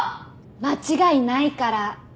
間違いないから。